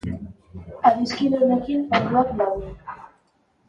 Adiskide honekin orduak labur.